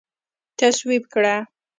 تصویب کړه